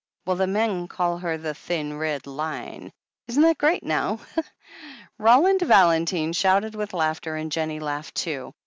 Well, the men call her The Thin Red Line !' Isn't that great, now?" Roland Valentine shouted with laughter, and Jennie laughed too.